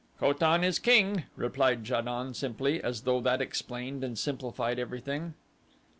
"Ko tan is king," replied Ja don simply as though that explained and simplified everything.